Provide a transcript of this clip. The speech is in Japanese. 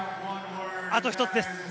あと１つです。